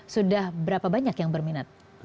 sudah berapa banyak yang berminat